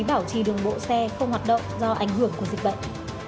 bảo trì đường bộ xe không hoạt động do ảnh hưởng của dịch bệnh